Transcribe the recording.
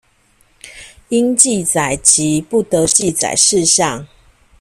應記載及不得記載事項